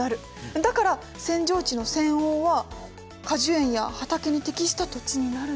だから扇状地の扇央は果樹園や畑に適した土地になるんですよ。